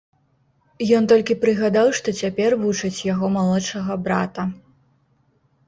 Ён толькі прыгадаў, што цяпер вучыць яго малодшага брата.